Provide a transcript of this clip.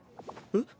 えっ？